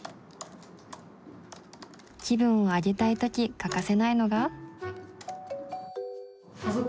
気分を上げたいとき欠かせないのが。